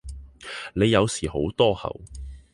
你有時好多口